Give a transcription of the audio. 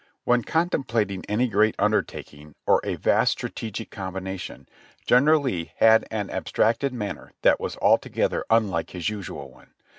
When contemplating any great undertaking or a vast strategic combination, General Lee had an abstracted manner that was al together unlike his usual one.